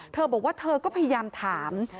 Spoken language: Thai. เธอบอกว่าเธอก็พยายามถาม